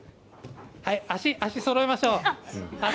足をそろえましょう。